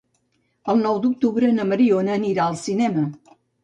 El nou d'octubre na Mariona anirà al cinema.